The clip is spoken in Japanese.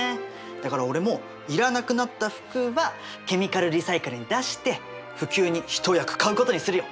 だから俺もいらなくなった服はケミカルリサイクルに出して普及に一役買うことにするよ。